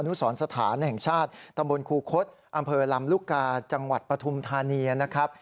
นุสรสถานแห่งชาติตำบลคูคศอำเภอลำลูกกาจังหวัดปฐุมธานีนะครับ